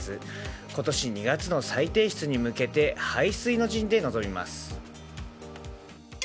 今年２月の再提出に向けて背水の陣で臨みます。